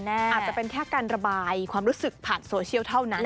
อาจจะเป็นแค่การระบายความรู้สึกผ่านโซเชียลเท่านั้น